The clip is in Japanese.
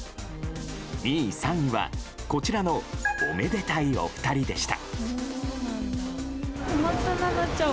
２位、３位はこちらのおめでたいお二人でした。